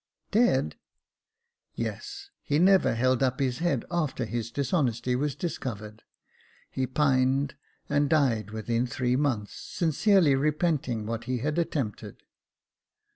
" Dead !"" Yes ; he never held his head up after his dishonesty was discovered. He pined and died within three months, sincerely repenting what he had attempted."